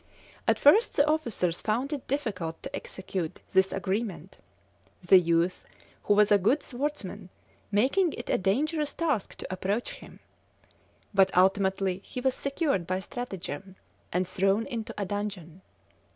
At first the officers found it difficult to execute this agreement, the youth, who was a good swordsman, making it a dangerous task to approach him; but ultimately he was secured by stratagem, and thrown into a dungeon.